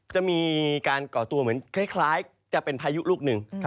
จะมีการก่อตัวเหมือนคล้ายจะเป็นพายุลูกหนึ่ง